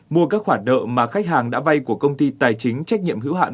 mua các khoản nợ mà khách hàng đã vay của công ty tài chính trách nhiệm hữu hạn